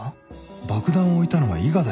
爆弾を置いたのは伊賀だよな？